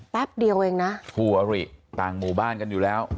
แป๊บเดียวเองนะคู่อริต่างหมู่บ้านกันอยู่แล้ว